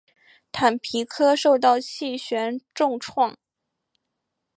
坦皮科受到气旋重创。